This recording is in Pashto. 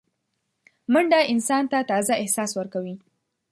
منډه انسان ته تازه احساس ورکوي